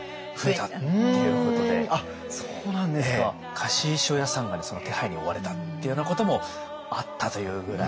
貸衣装屋さんがその手配に追われたというようなこともあったというぐらい。